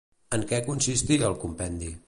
En què consistia el compendi?